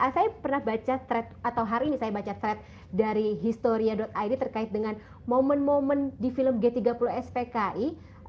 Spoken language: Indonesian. saya pernah baca thread atau hari ini saya baca thread dari historia id terkait dengan momen momen di film g tiga puluh spki